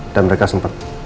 dan mereka sempet